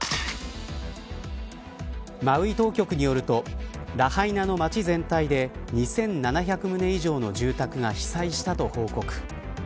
マウイ当局によるとラハイナの街全体で２７００棟以上の住宅が被災したと報告。